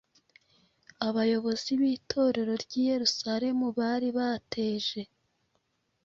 abayobozi b’Itorero ry’i Yerusalemu bari bateje.